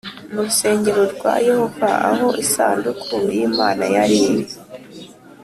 Mu rusengero rwa Yehova aho isanduku y’ Imana yari iri